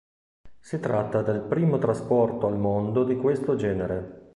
Si tratta del primo trasporto al mondo di questo genere.